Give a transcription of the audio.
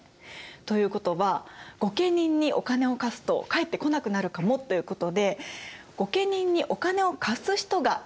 ということは御家人にお金を貸すと返ってこなくなるかもということで御家人にお金を貸す人がいなくなってしまいます。